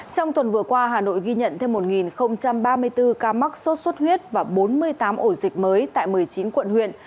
trong tuần vừa qua hà nội ghi nhận thêm một ba mươi bốn ca mắc sốt xuất huyết và bốn mươi tám ổ dịch mới tại một mươi chín quận huyện